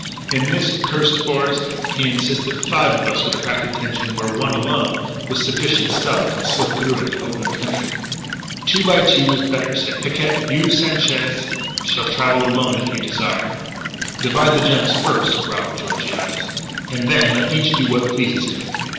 "In this accursed forest," he insisted, "five of us would attract attention where one alone, with sufficient stealth, can slip through into the open country." "Two by two is better," said Picquet. "You, Sanchez, shall travel alone if you desire " "Divide the gems first," growled Georgiades, "and then let each do what pleases him."